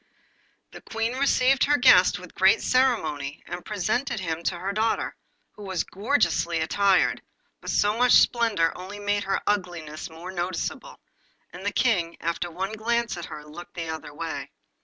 The Queen received her guest with great ceremony, and presented him to her daughter, who was gorgeously attired, but so much splendour only made her ugliness more noticeable, and the King, after one glance at her, looked the other way.